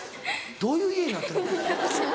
どういう家になってるの？